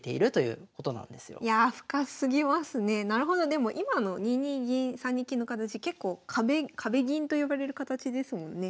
でも今の２二銀３二金の形結構壁銀と呼ばれる形ですもんね。